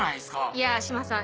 いやぁ島さん